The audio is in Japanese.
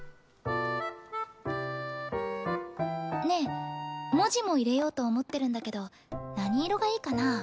ねえ文字も入れようと思ってるんだけど何色がいいかな？